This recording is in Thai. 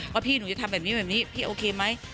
พี่หนูจะทำแบบนี้แบบนี้พี่โอเคไหม